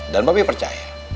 dan papi percaya